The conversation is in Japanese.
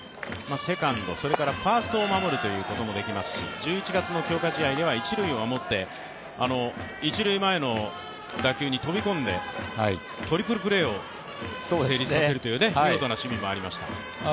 セカンド、ファーストを守ることもできますし、１１月の強化試合では一塁を守って、一塁前の打球に飛び込んで、トリプルプレーを成立させるという見事な守備もありました。